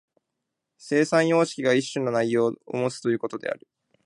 生産様式が一種の内容をもつということである。